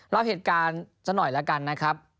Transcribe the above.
รอบเหตุการณ์สักหน่อยแล้วกันนะครับ